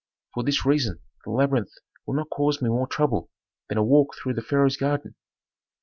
For this reason the labyrinth will not cause me more trouble than a walk through the pharaoh's garden."